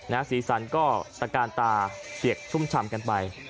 นะฮะศรีสันก็ตะกาล